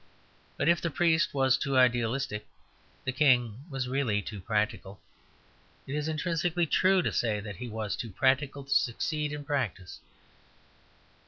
But if the priest was too idealistic, the King was really too practical; it is intrinsically true to say he was too practical to succeed in practice.